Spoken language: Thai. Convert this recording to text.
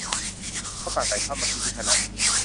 เขาสั่งไก่ทอดมากินที่คณะ